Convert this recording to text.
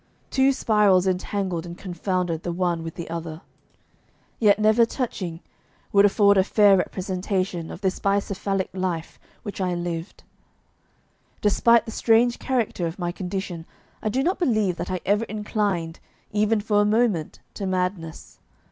Two spirals entangled and confounded the one with the other, yet never touching, would afford a fair representation of this bicephalic life which I lived. Despite the strange character of my condition, I do not believe that I ever inclined, even for a moment, to madness.